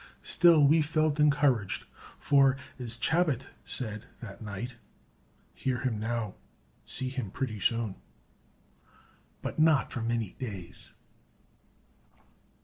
Still we felt encouraged, for, as Chabot said that night, "Hear him now, see him pretty soon." But not for many days.